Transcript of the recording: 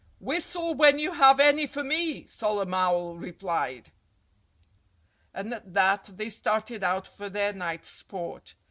"Whistle when you have any for me!" Solomon Owl replied. And at that they started out for their night's sport.